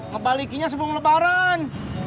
kebalikinya sebelum lebaran